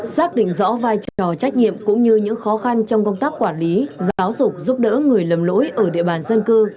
xác định rõ vai trò trách nhiệm cũng như những khó khăn trong công tác quản lý giáo dục giúp đỡ người lầm lỗi ở địa bàn dân cư